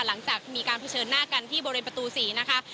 หลังจากมีการเผชิญหน้ากันที่บริเวณประตู๔นะคะ